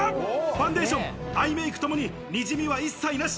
ファンデーション、アイメイクともに滲みは一切なし。